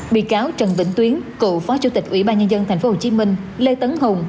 bị cáo trần vĩnh tuyến cựu phó chủ tịch ủy ban nhân dân tp hcm lê tấn hùng